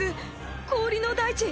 氷の大地！